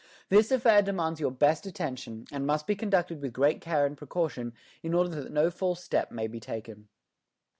This affair demands your best attention, and must be conducted with great care and precaution, in order that no false step may be taken."